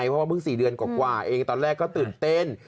เพราะว่าเพิ่ง๔เดือนกว่าเองตอนแรกก็ตื่นเต้น